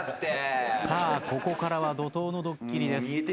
さあここからは怒濤のドッキリです。